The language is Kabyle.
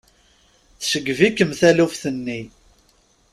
Tceggeb-ikem taluft-nni.